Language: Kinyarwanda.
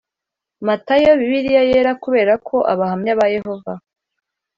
Matayo Bibiliya Yera Kubera ko Abahamya ba Yehova